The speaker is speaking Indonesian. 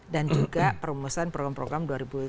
dan juga perumusan program program dua ribu delapan belas